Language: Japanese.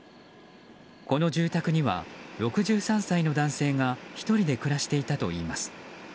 この住宅には６３歳の男性が１人で暮らしていたといいます。